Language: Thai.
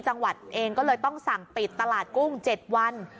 จังหวัดเองก็เลยต้องสั่งปิดตลาดกุ้ง๗วัน